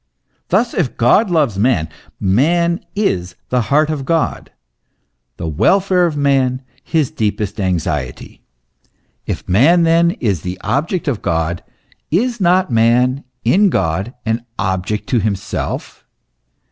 Thus, if God loves man, man is the heart of God the welfare of man his deepest anxiety. If man, then, is the object of God, is not man, in God, an object to himself?